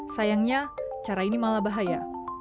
sayangnya cara ini malah bahaya